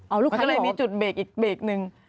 ก็เลยมีจุดเบรกอีกเบรกหนึ่ง